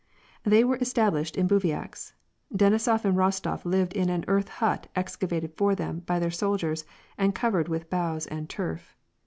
They were established in bivouacs. Denisof and Rostof lived in an earth hut excavated for them by their soldiers, and covered with boughs and turf.